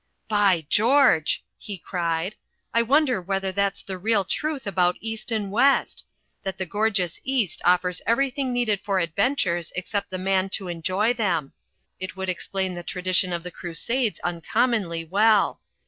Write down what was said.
"By George!" he cried, "I wonder whether that's the real truth about East and West! That the gor geous East offers ever)rthing needed for adventures except the man to enjoy them. It would explain the tradition of the Crusades uncommonly well.